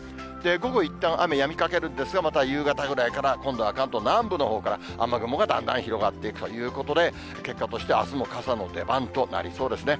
午後、いったん雨やみかけるんですが、また夕方ぐらいから今度は関東南部のほうから雨雲がだんだん広がっていくということで、結果として、あすも傘の出番となりそうですね。